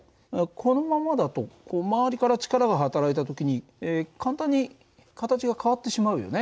このままだと周りから力が働いた時に簡単に形が変わってしまうよね。